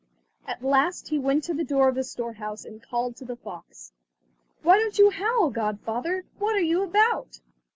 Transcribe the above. At last he went to the door of the storehouse, and called to the fox: "Why don't you howl, godfather? What are you about?"